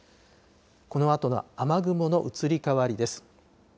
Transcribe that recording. このあとの雨雲の移り変わりです。